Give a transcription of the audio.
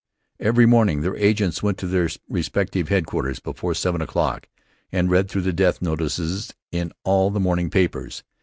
Every morning their agents went to their respective headquarters before seven o'clock and read through the death notices in all the morning papers.